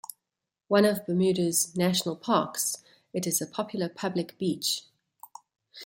One of Bermuda's national parks, it is a popular public beach.